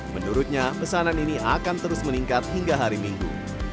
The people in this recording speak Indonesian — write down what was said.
menurutnya pesanan ini akan terus meningkat hingga hari minggu